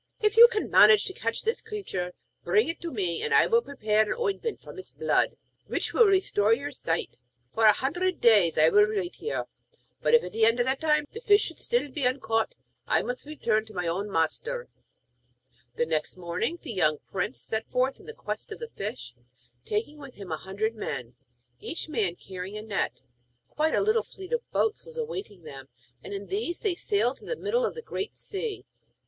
If you can manage to catch this creature, bring it to me, and I will prepare an ointment from its blood which will restore your sight. For a hundred days I will wait here, but if at the end of that time the fish should still be uncaught I must return to my own master.' [Illustration: THE PRINCE HAS PITY ON THE GOLD HEADED FISH] The next morning the young prince set forth in quest of the fish, taking with him a hundred men, each man carrying a net. Quite a little fleet of boats was awaiting them and in these they sailed to the middle of the Great Sea.